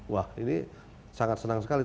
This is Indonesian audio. wah ini sangat senang sekali